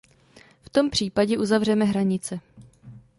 V tom případě uzavřeme hranice.